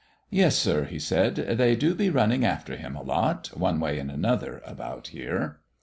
"Yes, sir," he said. "They do be running after Him a lot, one way and another, about here."